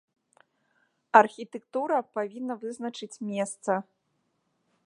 Архітэктура павінна вызначыць месца.